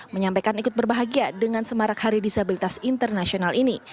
menyampaikan ikut berbahagia dengan semarak hari disabilitas internasional ini